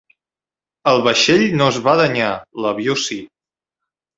El vaixell no es va danyar, l'avió sí.